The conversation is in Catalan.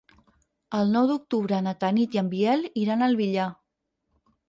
El nou d'octubre na Tanit i en Biel iran al Villar.